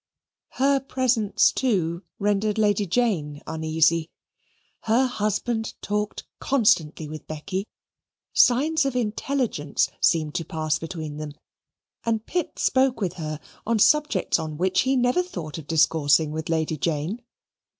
Her presence, too, rendered Lady Jane uneasy. Her husband talked constantly with Becky. Signs of intelligence seemed to pass between them, and Pitt spoke with her on subjects on which he never thought of discoursing with Lady Jane.